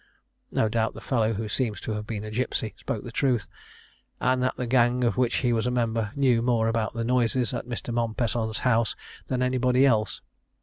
No doubt the fellow, who seems to have been a gipsy, spoke the truth, and that the gang of which he was a member knew more about the noises at Mr. Mompesson's house than anybody else.